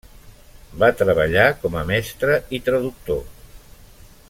Va treballar com a mestre i traductor.